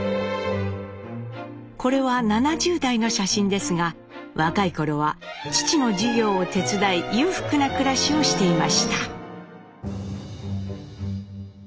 これは７０代の写真ですが若い頃は父の事業を手伝い裕福な暮らしをしていました。